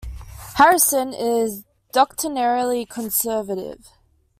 Harrison is doctrinally conservative.